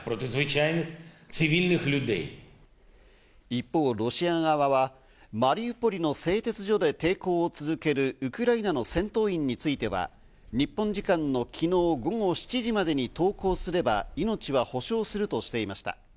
一方、ロシア側はマリウポリの製鉄所で抵抗を続けるウクライナの戦闘員については、日本時間の昨日午後７時までに投降すれば命は保証するとしていました。